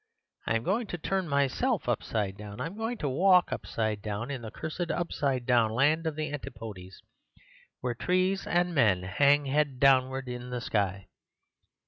I'm going to turn myself upside down. I'm going to walk upside down in the cursed upsidedownland of the Antipodes, where trees and men hang head downward in the sky.